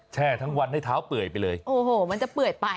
แช่ทั้งวันให้เท้าเปื่อยไปเลยโอ้โหมันจะเปื่อยไป